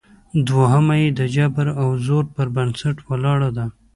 دوهمه یې د جبر او زور پر بنسټ ولاړه ده